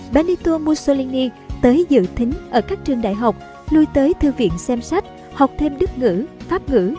benito mussolini tới dự thính ở các trường đại học lùi tới thư viện xem sách học thêm đức ngữ pháp ngữ